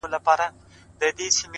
هغې ويله چي برزخ د زندگۍ نه غواړم;